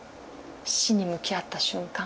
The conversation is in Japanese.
死に向き合った瞬間。